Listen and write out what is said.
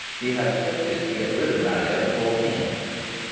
He had expected to get rid of Marrier before ten.